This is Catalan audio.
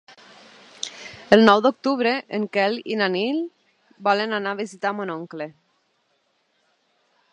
El nou d'octubre en Quel i na Nit volen anar a visitar mon oncle.